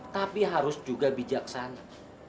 tapi harus juga bijaksana